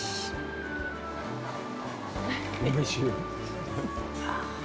おいしい。